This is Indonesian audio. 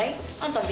saya panggil kemarin